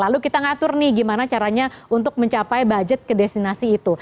lalu kita ngatur nih gimana caranya untuk mencapai budget ke destinasi itu